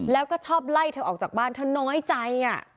แล้วก็ชอบไล่เธอออกจากบ้านเธอน้อยใจ